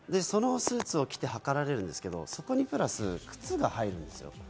そのスーツを着て測られるんですが、そこにプラス靴が入るんです。